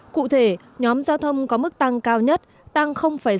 cụ thể nhóm giao thông có mức tăng cao nhất tăng sáu mươi